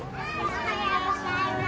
おはようございます。